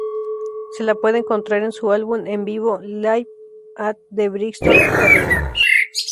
Se la puede encontrar en su álbum en vivo, "Live at the Brixton Academy".